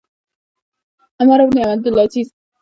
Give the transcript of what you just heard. عمر بن عبدالعزیز د شامي عرب څخه پوښتنه وکړه چې زما کسان څنګه دي